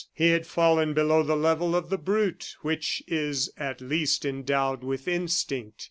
He had fallen below the level of the brute, which is, at least, endowed with instinct.